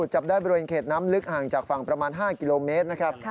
จับได้บริเวณเขตน้ำลึกห่างจากฝั่งประมาณ๕กิโลเมตรนะครับ